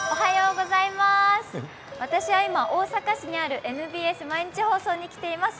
私は今、大阪市にあるＭＢＳ毎日放送に来ています。